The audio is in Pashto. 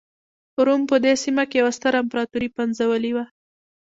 روم په دې سیمه کې یوه ستره امپراتوري پنځولې وه.